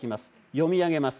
読み上げます。